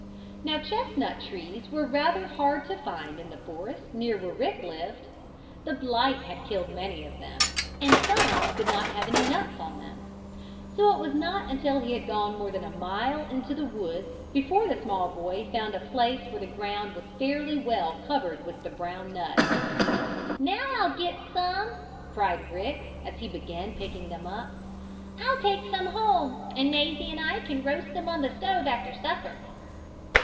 Now chestnut trees were rather hard to find in the forest near where Rick lived. The blight had killed many of them, and some did not have any nuts on. So it was not until he had gone more than a mile into the woods before the small boy found a place where the ground was fairly well covered with the brown nuts. "Now I'll get some!" cried Rick, as he began picking them up. "I'll take some home, and Mazie and I can roast them on the stove after supper."